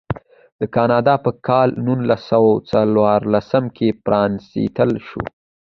دا کانال په کال نولس سوه څوارلسم کې پرانیستل شو.